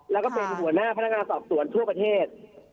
แล้วก็เป็นหัวหน้าพนักงานสอบสวนทั่วประเทศ